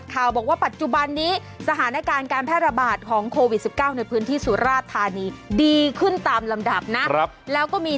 การแพทย์ระบาดของโควิด๑๙ในพื้นที่สุราษฎร์นี้ดีขึ้นตามลำดับนะครับแล้วก็มี